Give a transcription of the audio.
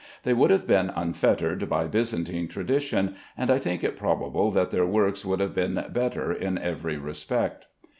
They would have been unfettered by Byzantine tradition, and I think it probable that their works would have been better in every respect.